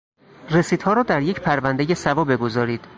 رسیدها را در یک پروندهی سوا بگذارید.